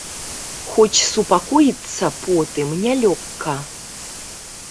Хоць супакоіцца потым нялёгка.